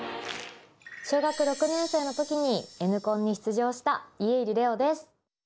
小学６年生の時にＮコンに出場した家入レオです。